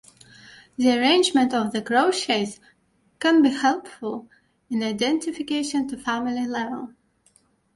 The arrangement of the crochets can be helpful in identification to family level.